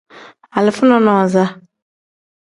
Alifa nonaza.